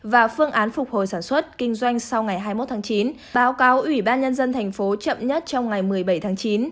và phương án phục hồi sản xuất kinh doanh sau ngày hai mươi một tháng chín báo cáo ủy ban nhân dân thành phố chậm nhất trong ngày một mươi bảy tháng chín